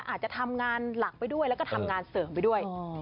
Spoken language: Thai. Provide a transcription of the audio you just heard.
อาจจะทำงานหลักไปด้วยแล้วก็ทำงานเสริมไปด้วย